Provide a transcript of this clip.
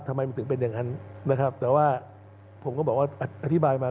ทำไมมันถึงเป็นอย่างนั้นนะครับแต่ว่าผมก็บอกว่าอธิบายมา